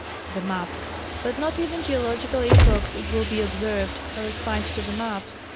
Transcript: [Sidenote: The Maps.] But not even geological epochs, it will be observed, are assigned to the maps.